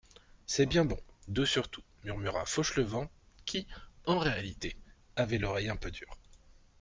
C'est bien bon, deux surtout, murmura Fauchelevent, qui, en réalité, avait l'oreille un peu dure.